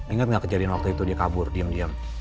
ingat gak kejadian waktu itu dia kabur diem diem